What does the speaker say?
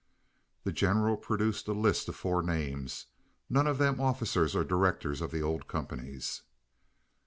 The General produced a list of four names, none of them officers or directors of the old companies.